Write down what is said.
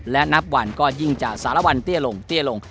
และนับวันก็ยิ่งจะสารวันเตี้ยลงเตี้ยลง